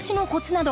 など